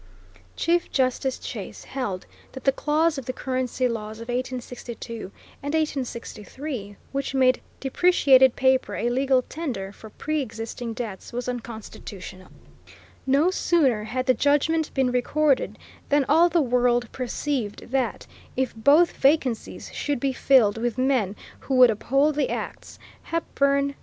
Chief Justice Chase held that the clause of the currency laws of 1862 and 1863 which made depreciated paper a legal tender for preëxisting debts was unconstitutional. No sooner had the judgment been recorded than all the world perceived that, if both vacancies should be filled with men who would uphold the acts, Hepburn v.